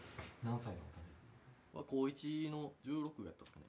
高１の１６やったですかね